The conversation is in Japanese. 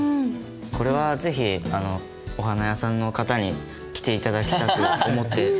これは是非お花屋さんの方に着て頂きたく思って。